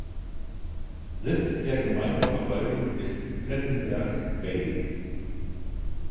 Sitz der Gemeindeverwaltung ist Plettenberg Bay.